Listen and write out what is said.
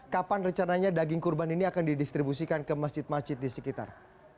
kapan rencananya daging kurban ini akan didistribusikan ke masjid masjid di sekitar